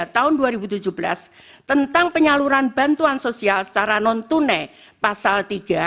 tahun dua ribu tujuh belas tentang penyaluran bantuan sosial secara non tunai pasal tiga